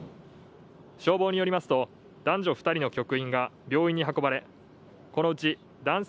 消防によりますと男女２人の局員が病院に運ばれこのうち男性